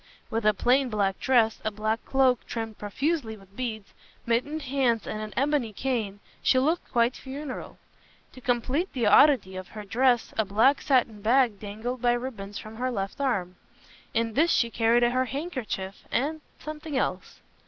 With a plain black dress, a black cloak trimmed profusely with beads, mittened hands and an ebony cane, she looked quite funereal. To complete the oddity of her dress a black satin bag dangled by ribbons from her left arm. In this she carried her handkerchief and something else.